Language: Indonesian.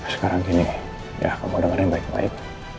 sekarang gini ya kamu dengerin baik baik